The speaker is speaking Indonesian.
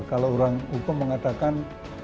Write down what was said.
kalau orang umum mengatakan